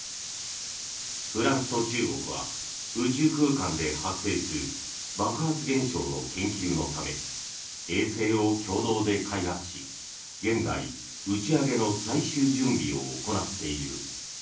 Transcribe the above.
フランスと中国は宇宙空間で発生する爆発現象の研究のため衛星を共同で開発し現在、打ち上げの最終準備を行っている。